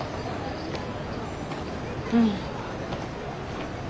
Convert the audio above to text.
うん。